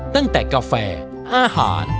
ตั้งแต่กาแฟอาหาร